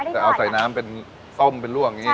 แต่เอาใส่น้ำเป็นส้มเป็นล่วงอย่างนี้